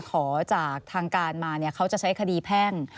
ขอจากทางการมาเขาจะใช้คดีแพ่ง